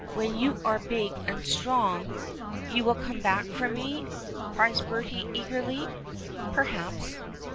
When you are big and strong " "You will come back for me?" cries Bertie, eagerly. "Perhaps."